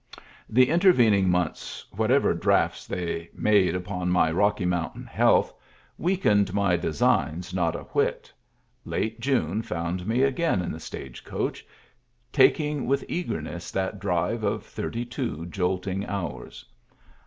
The intervening months, whatever drafts they made upon my Rocky Mountain health, weak ened my designs not a whit ; late June found me again in the stagecoach, taking with eagerness that drive of thirty two jolting hours.